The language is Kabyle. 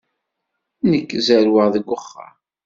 Nekk zerrweɣ deg uxxam.